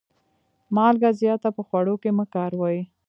مالګه زیاته په خوړو کي مه کاروئ.